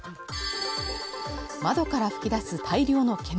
窓から噴き出す大量の煙